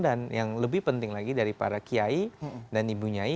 dan yang lebih penting lagi dari para kiai dan ibu nyai